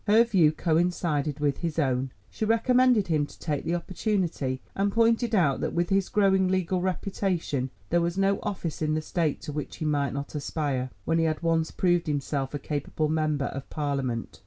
Her view coincided with his own; she recommended him to take the opportunity, and pointed out that with his growing legal reputation there was no office in the State to which he might not aspire, when he had once proved himself a capable member of Parliament.